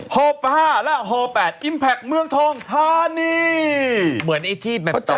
โฮ๕และโฮ๘อิมแพคเมืองทองธานี